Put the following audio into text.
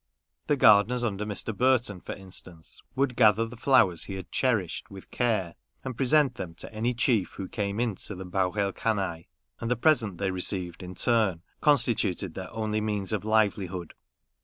The gardeners under Mr. Burton, for instance, Charles Dickens.] THE SCHAH'S ENGLISH GARDENER would gather the flowers he had cherished with, care, and present them to any chief who came into the Baugh el Kanai ; and the pre sent they received in turn constituted their only means of livelihood.